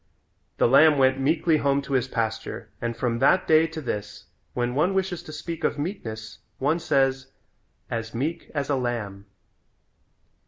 The lamb went meekly home to his pasture and from that day to this when one wishes to speak of meekness one says "as meek as a lamb."